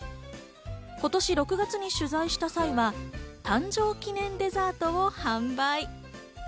今年６月に取材した際は誕生記念デザートを販売。